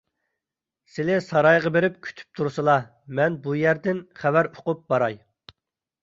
سىلى سارايغا بېرىپ كۈتۈپ تۇرسىلا، مەن بۇ يەردىن خەۋەر ئۇقۇپ باراي.